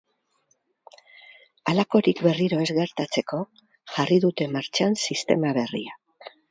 Halakorik berriro ez gertatzeko jarri dute martxan sistema berria.